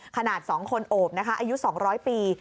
ขนาดสองคนโอบอายุ๒๐๐ปี